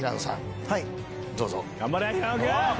どうぞ。